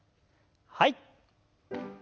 はい。